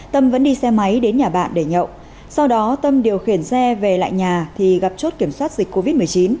tâm vẫn đi xe máy đến nhà bạn để nhậu sau đó tâm điều khiển xe về lại nhà thì gặp chốt kiểm soát dịch covid một mươi chín